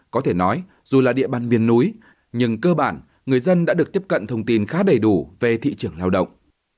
có thể nói dù là địa bàn biên núi nhưng cơ bản người dân đã được tiếp cận thông tin khá đầy đủ về thị trường lao động